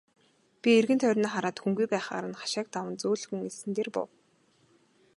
Би эргэн тойрноо хараад хүнгүй байхаар нь хашааг даван зөөлхөн элсэн дээр буув.